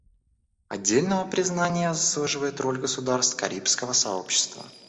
Отдельного признания заслуживает роль государств Карибского сообщества.